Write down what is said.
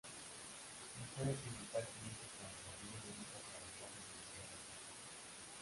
La historia principal comienza cuando Daniele entra a trabajar en el Liceo local.